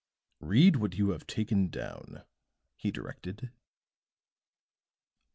"Read what you have taken down," he directed.